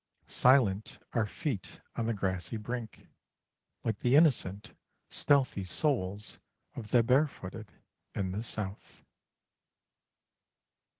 Silent are feet on the grassy brink, like the innocent, stealthy soles of the barefooted in the south.